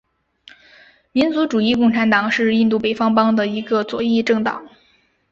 民族主义共产党是印度北方邦的一个左翼政党。